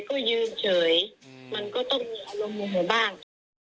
ก็ยืนเฉยมันก็ต้องมีอารมณ์โมโหบ้าง